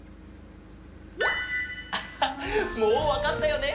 もうわかったよね？